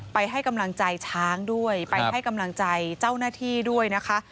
ไปให้กำลังใจช้างด้วยไปให้กำลังใจเจ้าหน้าที่ด้วยนะคะ